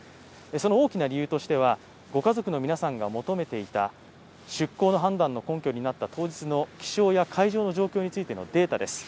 その大きな理由としてはご家族の皆さんが求めていた出港の判断の根拠になった、当時の気象や海上の状況についてのデータです